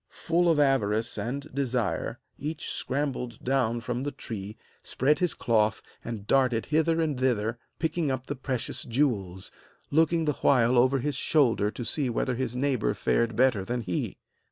Full of avarice and desire, each scrambled down from the tree, spread his cloth, and darted hither and thither picking up the precious jewels, looking the while over his shoulder to see whether his neighbour fared better than he.